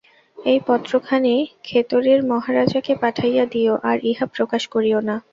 এই পত্রখানি খেতড়ির মহারাজাকে পাঠাইয়া দিও, আর ইহা প্রকাশ করিও না।